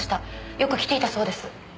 よく来ていたそうです。